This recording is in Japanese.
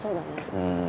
うん。